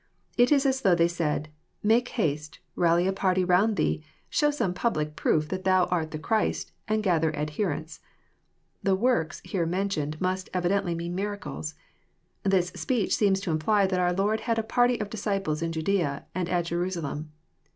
It is as though they said,—*' Make haste, rally a party round Thee, show some public proof that Thou art the Christ, and gather adherents." The *' works " here mentioned must evidently mean miracles. This speech seems to imply that our Lord had a party of disciples in Judsea and at Jerusalem.